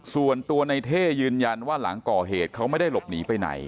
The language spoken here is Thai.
ส่วนตัวในเท่ยืนยันว่าหลังก่อเหตุเขาไม่ได้หลบหนีไปไหน